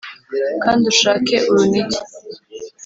kandi ushake urunigi,